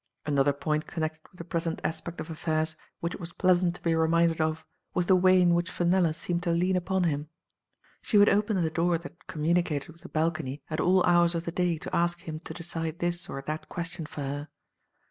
Another point connected with the present aspect of affairs, which it was pleasant to be reminded of, was the way in which Fenella seemed to lean upon him. She would open the Digitized by Google • TASMA," 293 door that communicated with the balcony at all hours of the day to ask him to decide this or that question for her.